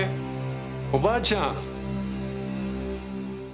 おばあちゃん！